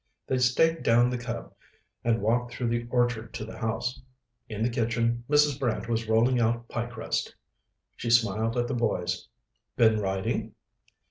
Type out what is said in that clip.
They staked down the Cub and walked through the orchard to the house. In the kitchen, Mrs. Brant was rolling out piecrust. She smiled at the boys. "Been riding?"